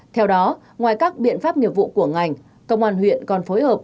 theo đó ngoài các biện pháp nghiệp vụ của ngành công an huyện còn phối hợp